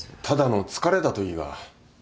ただの疲れだといいが。